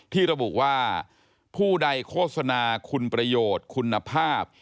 ที่ระบุว่าผู้ใดโฆษณาคุณประโยชน์คุณภาพ